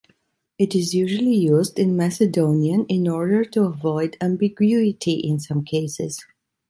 It is usually used in Macedonian in order to avoid ambiguity in some cases.